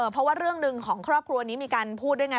เพราะว่าเรื่องหนึ่งของครอบครัวนี้มีการพูดด้วยไง